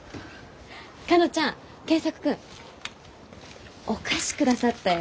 かのちゃん健作君お菓子下さったよ。